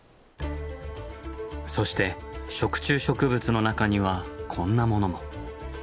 そして食虫植物の中にはこんなものも。